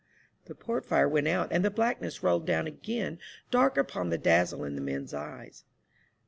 The port fire went out, and the blackness rolled down again dark upon the dazzle in the men's eyes.